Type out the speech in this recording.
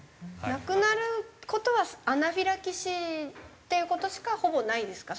亡くなる事はアナフィラキシーっていう事しかほぼないですか？